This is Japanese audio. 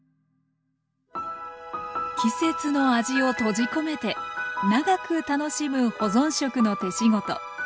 季節の味を閉じ込めて長く楽しむ保存食の手仕事。